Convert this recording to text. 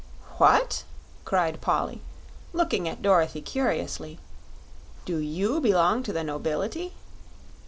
"What!" cried Polly, looking at Dorothy curiously. "Do you belong to the nobility?"